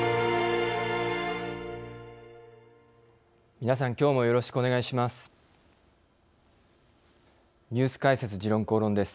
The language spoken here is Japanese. みなさん、きょうもよろしくお願いします。